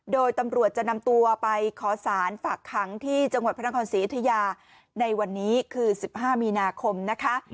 โดยตำรวจจะนำตัวไปขอสารฝากขังที่จังหวัดพระนครศรีอยุธยาในวันนี้คือ๑๕มีนาคมนะคะ